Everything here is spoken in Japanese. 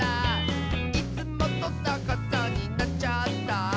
「いつもとさかさになっちゃった」